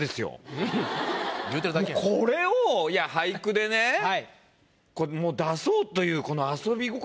もうこれを俳句でね出そうというこの遊び心。